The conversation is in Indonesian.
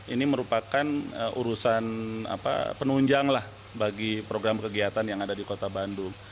ini merupakan urusan penunjang lah bagi program kegiatan yang ada di kota bandung